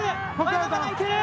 まだまだいける。